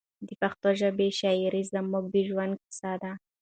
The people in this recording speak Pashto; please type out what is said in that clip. د پښتو ژبې شاعري زموږ د ژوند کیسه ده.